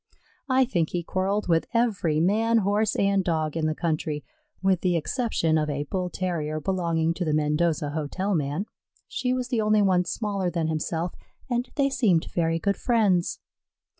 I think he quarrelled with every man, Horse, and Dog in the country, with the exception of a Bull terrier belonging to the Mendoza hotel man. She was the only one smaller than himself, and they seemed very good friends.